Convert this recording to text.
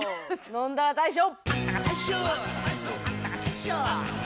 「飲んだら大将」！